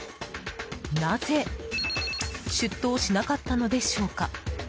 なぜ出頭しなかったのでしょうか。